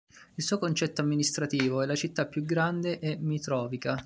Il suo centro amministrativo e la città più grande è Mitrovica.